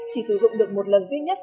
chỉ sử dụng được một lần duy nhất